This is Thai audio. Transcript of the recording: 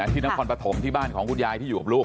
ที่นครปฐมที่บ้านของคุณยายที่อยู่กับลูก